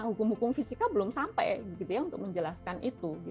hukum hukum fisika belum sampai untuk menjelaskan itu